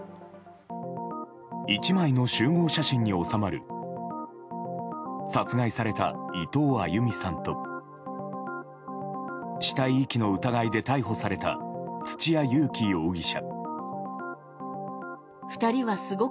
１枚の集合写真に収まる殺害された伊藤亜佑美さんと死体遺棄の疑いで逮捕された土屋勇貴容疑者。